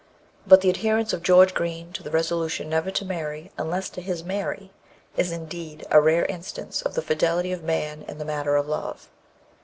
But the adherence of George Green to the resolution never to marry, unless to his Mary, is, indeed, a rare instance of the fidelity of man in the matter of love.